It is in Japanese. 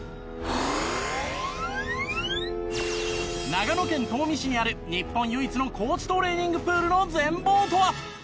長野県東御市にある日本唯一の高地トレーニングプールの全貌とは？